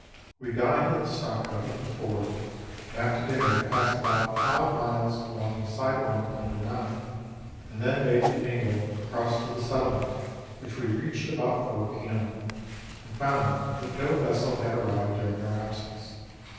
We dined at the stock hut at the ford, and after dinner passed about five miles along the side line of No. 9' and then made an angle across to the settlement, which we reached ahout four p.m., and found that no vessel had arrived during our absence.